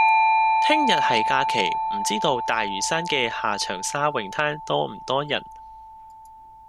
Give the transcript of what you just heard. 聽日係假期，唔知道大嶼山嘅下長沙泳灘多唔多人？